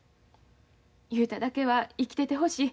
雄太だけは生きててほしい。